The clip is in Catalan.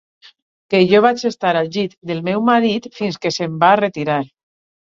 Que jo vaig estar al llit del meu marit fins que se'm va retirar.